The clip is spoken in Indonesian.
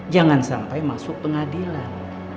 jangan sampai masuk pengadilan